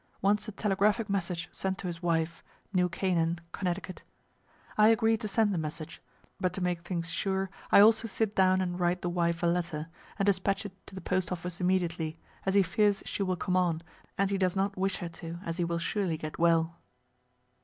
Wants a telegraphic message sent to his wife, New Canaan, Conn. I agree to send the message but to make things sure I also sit down and write the wife a letter, and despatch it to the post office immediately, as he fears she will come on, and he does not wish her to, as he will surely get well.